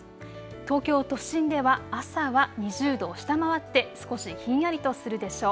東京都心では朝は２０度を下回って少しひんやりとするでしょう。